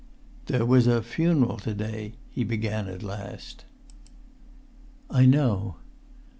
"There was a funeral to day," he began at last. "I know."